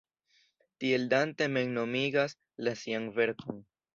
Tiel Dante mem nomigas la sian verkon.